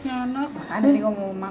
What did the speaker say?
makanya dari gua ngumat